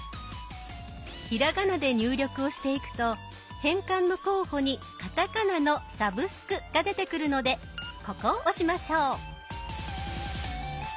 ひらがなで入力をしていくと変換の候補にカタカナの「サブスク」が出てくるのでここを押しましょう。